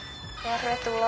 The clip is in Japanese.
ありがとう。